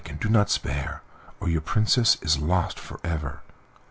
and do not spare, or your Princess is lost for ever!"